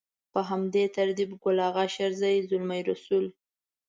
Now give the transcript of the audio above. په همدې ترتيب ګل اغا شېرزي، زلمي رسول.